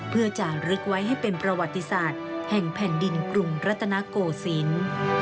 เพื่อจะลึกไว้ให้เป็นประวัติศาสตร์แห่งแผ่นดินกรุงรัตนโกศิลป์